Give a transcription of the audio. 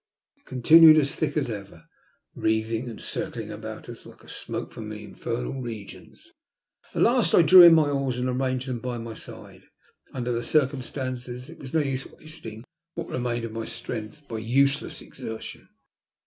It continued as thick as ever, wreathing and circling about us like the smoke from the infernal regions. At last I drew in my oars and arranged them by my side. Under the circumstances it was no use wasting what remained of my strength by useless exertion.